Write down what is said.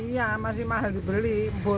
iya masih mahal dibeli